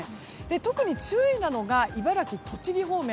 特に注意なのが茨城、栃木方面。